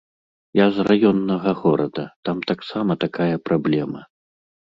Я з раённага горада, там таксама такая праблема.